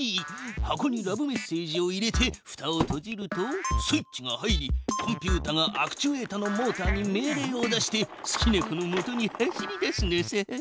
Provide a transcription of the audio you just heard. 箱にラブメッセージを入れてふたをとじるとスイッチが入りコンピュータがアクチュエータのモータに命令を出して好きな子のもとに走りだすのさ。